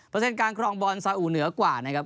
เปอร์เซ็นต์กลางครองบอลซาอุเหนือกว่านะครับ